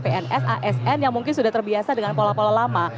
apalagi bagi mereka para pns asn yang mungkin sudah terbiasa dengan pola pola lama